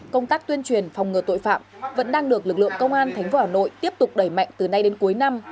công tác tuyên truyền phòng ngừa tội phạm vẫn đang được lực lượng công an tp hà nội tiếp tục đẩy mạnh từ nay đến cuối năm